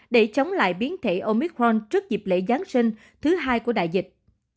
để chống lại biến thể omicron trước dịp lễ giáng sinh thứ hai của đại dịch